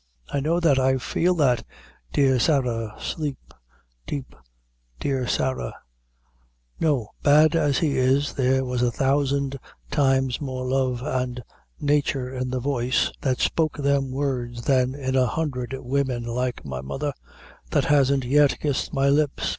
I know that I feel that 'dear Sarah, sleep deep, dear Sarah' no, bad as he is, there was a thousand times more love and nature in the voice that spoke them words than in a hundred women like my mother, that hasn't yet kissed my lips.